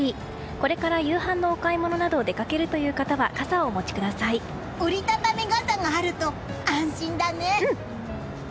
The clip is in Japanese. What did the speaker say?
これから夕飯のお買い物などで出かける方は折り畳み傘があると安心だね。